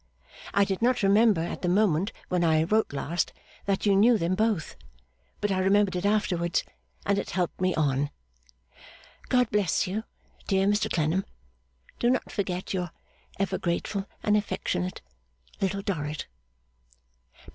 I did not remember, at the moment when I wrote last, that you knew them both; but I remembered it afterwards, and it helped me on. God bless you, dear Mr Clennam. Do not forget Your ever grateful and affectionate LITTLE DORRIT.